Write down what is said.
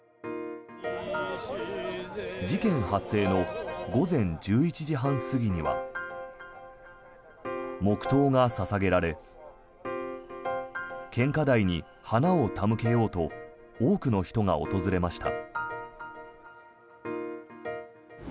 事件発生の午前１１時半過ぎには黙祷が捧げられ献花台に花を手向けようと多くの人が訪れました。